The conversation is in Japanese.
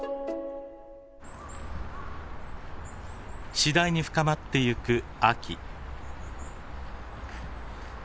次第に深まってゆく秋。